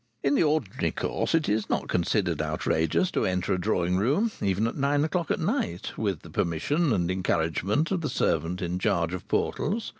In the ordinary course it is not considered outrageous to enter a drawing room even at nine o'clock at night with the permission and encouragement of the servant in charge of portals.